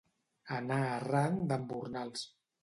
Anar arran d'embornals.